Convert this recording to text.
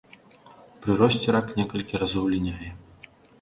Пры росце рак некалькі разоў ліняе.